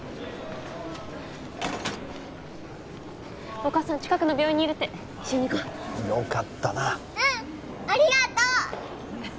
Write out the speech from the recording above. お母さん近くの病院にいるって一緒に行こうよかったなうんありがとう